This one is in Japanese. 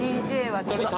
ＤＪは。